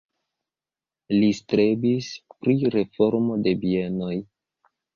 Li strebis pri reformo de bienoj.